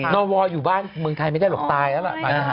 นวอยู่บ้านเมืองไทยไม่ได้หรอกตายแล้วล่ะ